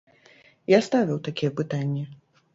Я ставіў такія пытанні.